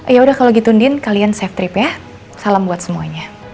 yaudah kalo gitu andin kalian safe trip ya salam buat semuanya